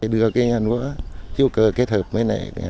đưa cái lúa thiêu cơ kết hợp với này